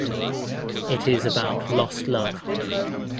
It is about lost love.